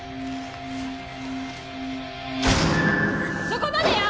そこまでよ！